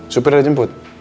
supir ada jemput